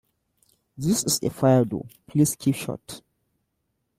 This is a Fire door, please keep shut.